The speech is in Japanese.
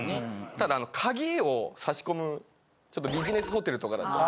ただ鍵を差し込むちょっとビジネスホテルとかだと。